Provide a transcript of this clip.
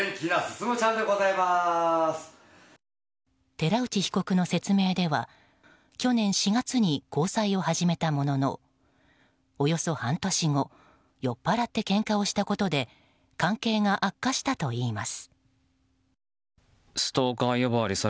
寺内被告の説明では去年４月に交際を始めたもののおよそ半年後酔っ払ってけんかをしたことで関係が悪化したといいます。